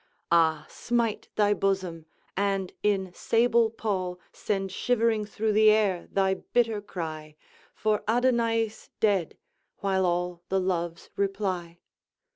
Ah, smite thy bosom, and in sable pall Send shivering through the air thy bitter cry For Adonaïs dead, while all the Loves reply.